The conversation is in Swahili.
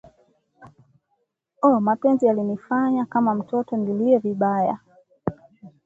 Oh mapenzi, yalinifanya kama mtoto nilie vibaya